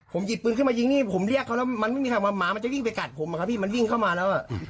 ผมหยิบปืนขึ้นมายิงนี่ผมเรียกเขาแล้วมันไม่มีคำว่าหมามันจะวิ่งไปกัดผมอะครับพี่มันวิ่งเข้ามาแล้ว